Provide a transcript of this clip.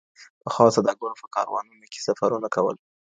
پخوا سوداګرو په کاروانونو کي سفرونه کول.